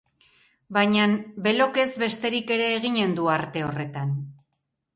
Bainan Belokez besterik ere eginen du arte horretan.